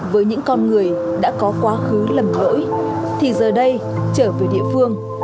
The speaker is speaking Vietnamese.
với những con người đã có quá khứ lầm lỗi thì giờ đây trở về địa phương